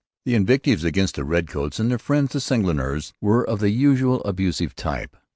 The invectives against the redcoats and their friends the seigneurs were of the usual abusive type.